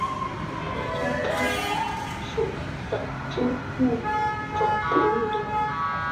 美洲攀鼠属等之数种哺乳动物。